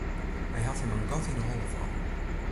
Hy hat him in gat yn 'e holle fallen.